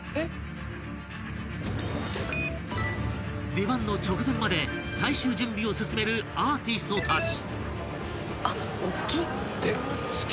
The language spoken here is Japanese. ［出番の直前まで最終準備を進めるアーティストたち］